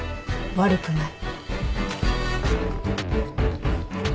悪くない。